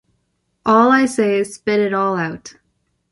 All I say is spit it all out!